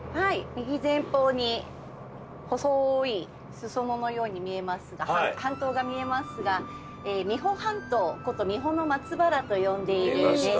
右前方に細い裾野のように見えますが半島が見えますが三保半島こと三保松原と呼んでいる名所です。